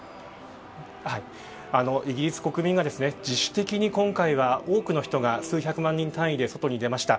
イギリス国民が自主的に今回は多くの人が数百万単位で外に出ました。